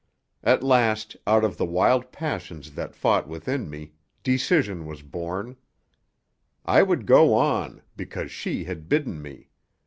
At last, out of the wild passions that fought within me, decision was born. I would go on, because she had bidden me.